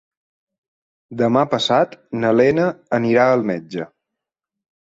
Demà passat na Lena anirà al metge.